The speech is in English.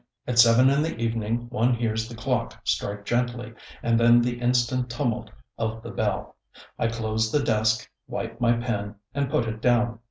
At seven in the evening one hears the clock strike gently, and then the instant tumult of the bell. I close the desk, wipe my pen, and put it down.